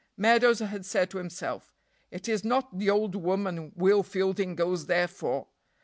Meadows had said to himself: "It is not the old woman Will Fielding goes there for.